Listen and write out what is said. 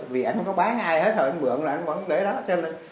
vì anh không có bán ai hết rồi anh mượn rồi anh vẫn để đó cho nên